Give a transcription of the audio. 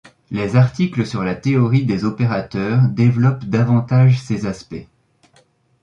Les articles sur la théorie des opérateurs développent davantage ces aspects.